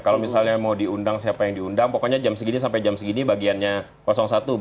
kalau misalnya mau diundang siapa yang diundang pokoknya jam segini sampai jam segini bagiannya satu